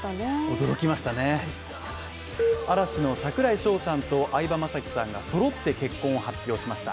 驚きました嵐の櫻井翔さんと相葉雅紀さんが揃って結婚を発表しました。